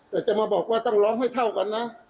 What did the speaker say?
แต่จะมาบอกว่าต้องร้องให้เท่ากันนะ